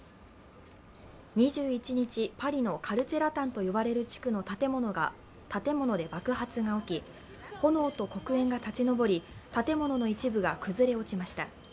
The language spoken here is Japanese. ２１日、パリのカルチェラタンと呼ばれる地区の建物で爆発が起き、炎と黒煙が立ち上り建物の一部が崩れ落ちました。